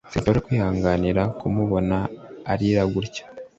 Sinshobora kwihanganira kumubona arira gutya